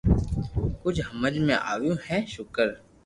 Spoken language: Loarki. ڪجھ ھمج ۾ آويو ھي ݾڪر